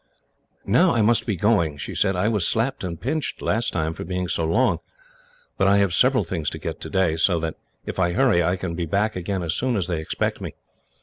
"Now I must be going," she said. "I was slapped and pinched, last time, for being so long, but I have several things to get today, so that if I hurry I can be back again as soon as they expect me.